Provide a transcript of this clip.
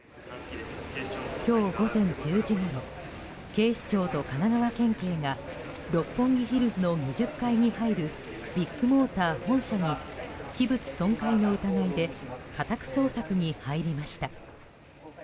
今日午前１０時ごろ警視庁と神奈川県警が六本木ヒルズの２０階に入るビッグモーター本社に器物損壊の疑いで家宅捜索に入りました。